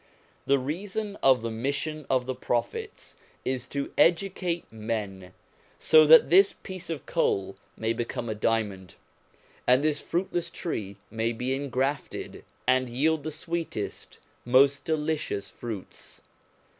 The reason of the mission of the Prophets is to educate men; so that this piece of coal may become a diamond, and this fruitless tree may be engrafted, and yield the sweetest, most delicious fruits.